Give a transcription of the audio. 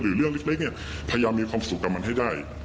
เรื่องเล็กเนี่ยพยายามมีความสุขกับมันให้ได้